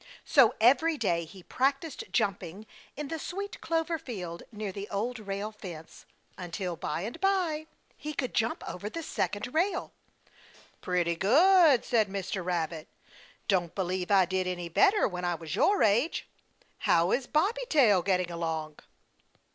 So every day he practiced jumping in the Sweet Clover Field near the Old Rail Fence until by and by he could jump over the second rail. "Pretty good," said Mr. Rabbit. "Don't believe I did any better when I was your age. How is Bobby Tail getting along?"